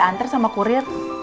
baru diantar sama kurir